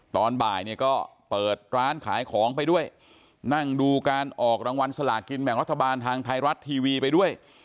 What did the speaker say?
ตอนบ่ายเนี่ยก็เปิดร้านขายของไปด้วยนั่งดูการออกรางวัลสลากินแบ่งรัฐบาลทางไทยรัฐทีวีไปด้วย